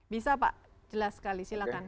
bisa pak jelas sekali silakan